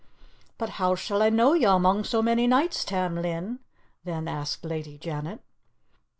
"But how shall I know you among so many knights, Tam Lin?" then asked Lady Janet.